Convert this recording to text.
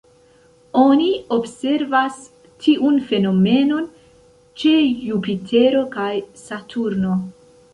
Oni observas tiun fenomenon ĉe Jupitero kaj Saturno.